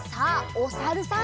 おさるさん。